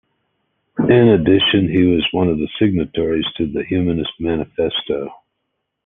In addition he was one of the signatories to the Humanist Manifesto.